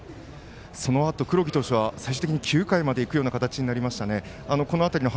そのあと黒木投手は最終的に９回までいく判断になりましたね。